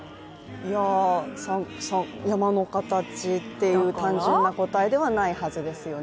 いや、山の形って単純な答えではないはずですよね。